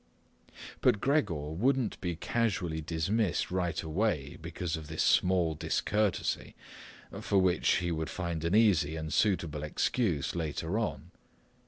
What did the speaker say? But Gregor wouldn't be casually dismissed right way because of this small discourtesy, for which he would find an easy and suitable excuse later on.